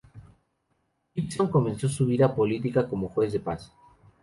Gibson comenzó su vida política como juez de paz.